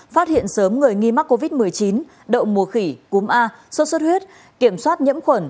phát hiện sớm người nghi mắc covid một mươi chín đậu mùa khỉ cúm a sốt xuất huyết kiểm soát nhiễm khuẩn